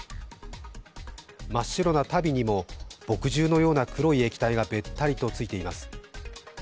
真っ白な足袋にも墨汁のような黒い液体がべったりついています。